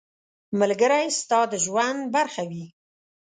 ملګری ستا د ژوند برخه وي.